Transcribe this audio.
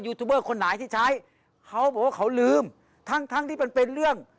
ทูบเบอร์คนไหนที่ใช้เขาบอกว่าเขาลืมทั้งทั้งที่มันเป็นเรื่อง